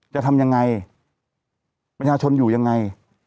จะทำยังไงประชาชนอยู่ยังไง